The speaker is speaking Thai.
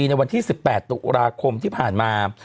ในวันที่๑๘ตุลาคมที่ผ่านมา